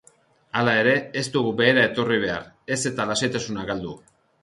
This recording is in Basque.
Hala ere, ez dugu behera etorri behar, ez eta lasaitasuna galdu.